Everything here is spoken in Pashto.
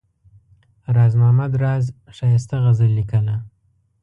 راز محمد راز ښایسته غزل لیکله.